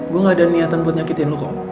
gue gak ada niatan buat nyakitin lu kok